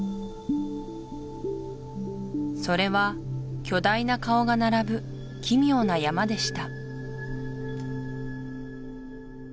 それは巨大な顔が並ぶ奇妙な山でした